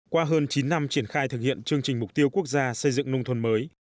qua hơn chín năm triển khai thực hiện chương trình mục tiêu quốc gia xây dựng nông thôn mới